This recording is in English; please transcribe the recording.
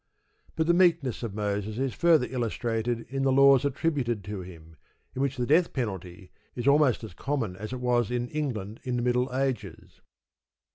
But the meekness of Moses is further illustrated in the laws attributed to him, in which the death penalty is almost as common as it was in England in the Middle Ages.